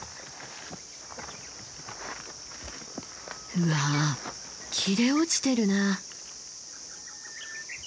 うわ切れ落ちてるな。